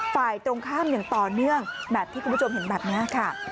ฝ่ายตรงข้ามอย่างต่อเนื่องแบบที่คุณผู้ชมเห็นแบบนี้ค่ะ